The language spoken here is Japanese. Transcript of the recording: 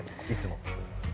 いつも。